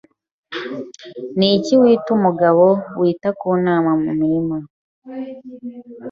Niki wita umugabo wita ku ntama mu murima?